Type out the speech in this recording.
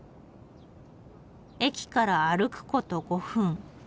駅から歩くこと５分。